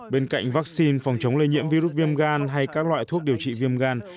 bên cạnh vaccine phòng chống lây nhiễm virus viêm gan hay các loại thuốc điều trị viêm gan